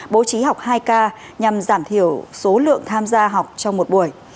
bố trí học hai k nhằm giảm thiểu số lượng tham gia học trong một buổi